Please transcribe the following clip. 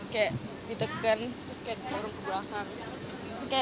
kayak ditekan terus kayak turun ke belakang